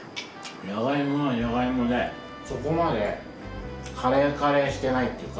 じゃが芋はじゃが芋でそこまでカレーカレーしてないっていうか